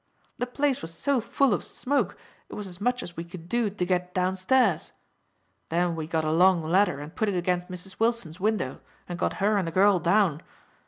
The place was so full of smoke, it was as much as we could do to get downstairs. Then we got a long ladder, and put it against Mrs. Wilson's window, and got her and the girl down.